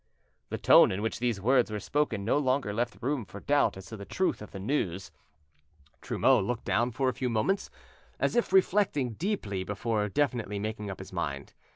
The tone in which these words were spoken no longer left room for doubt as to the truth of the news. Trumeau looked down for a few moments, as if reflecting deeply before definitely making up his mind.